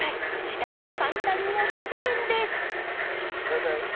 自宅で簡単に落とせるんです。